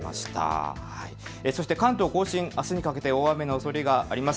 関東甲信、あすにかけて大雨のおそれがあります。